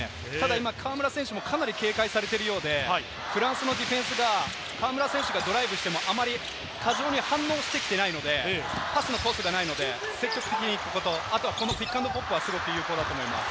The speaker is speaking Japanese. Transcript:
今、河村選手、かなり警戒されているようで、フランスのディフェンスが河村選手がドライブしても、あまり過剰に反応してきていないので、パスのコースがないので積極的に行くこと、あとはピックアンドロールはすごく有効です。